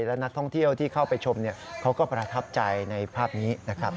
และนักท่องเที่ยวที่เข้าไปชมเขาก็ประทับใจในภาพนี้นะครับ